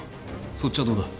そっちはどうだ？